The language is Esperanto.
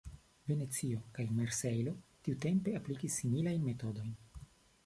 Venecio kaj Marsejlo tiutempe aplikis similajn metodojn.